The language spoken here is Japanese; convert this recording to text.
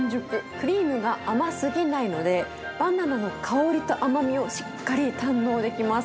クリームが甘すぎないので、バナナの香りと甘みをしっかり堪能できます。